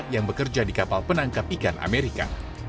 yang bekerja di kapal penangkap ikan amerika